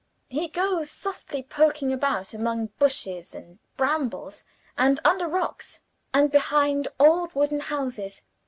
He goes softly poking about among bushes and brambles, and under rocks, and behind old wooden houses.